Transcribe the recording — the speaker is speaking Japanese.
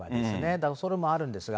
だからそれもあるんですが。